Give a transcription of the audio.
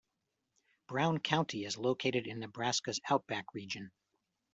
Brown County is located in Nebraska's Outback region.